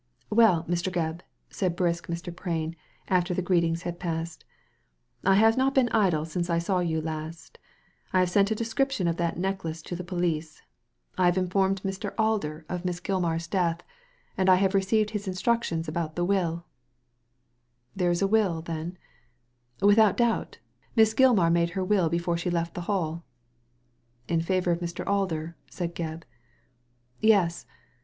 "Well, Mr. Gebb," said brisk Mr. Prain, after greet ings had passed, " I have not been idle since I saw you last I have sent a description of that necklace to the police. I have informed Mr. Alder of Miss Digitized by Google THE DIAMOND NECKLACE I2i ■Gilmar^s death, and I have received bis instructions about the will" "There is a will, then?" Without doubt. Miss Gilmar made her will before she left the Hall." " In favour of Mr. Alder ?" said Gebb. "Yes.